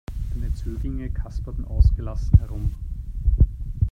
Deine Zöglinge kasperten ausgelassen herum.